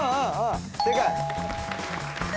正解。